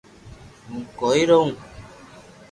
ھون ڪوئي رووُ